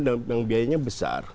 dan biayanya besar